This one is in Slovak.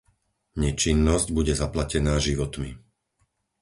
Nečinnosť bude zaplatená životmi.